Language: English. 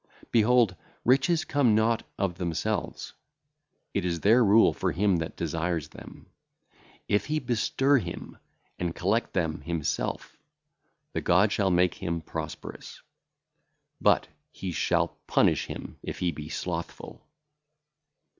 Behold, riches come not of themselves; it is their rule for him that desireth them. If he bestir him and collect them himself, the God shall make him prosperous; but He shall punish him, if he be slothful.